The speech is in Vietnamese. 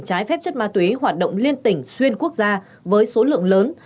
trái phép chất ma túy hoạt động liên tỉnh xuyên quốc gia với số lượng lớn